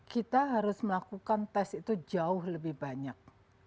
kita harus melakukan tes itu jauh lebih banyak